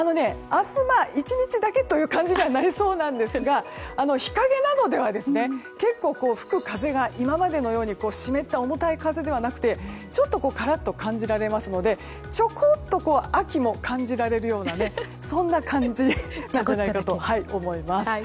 明日１日だけという感じにはなりそうなんですが日陰などでは、結構吹く風が今までのように湿った重たい風ではなくてカラッと感じられますのでちょこっと秋も感じられるような感じじゃないかと思います。